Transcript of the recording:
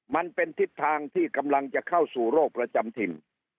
มันเป็นทิศทางที่กำลังจะเข้าสู่โรคประจำถิ่น